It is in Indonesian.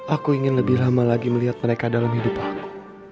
aku ingin lebih lama lagi melihat mereka dalam hidup aku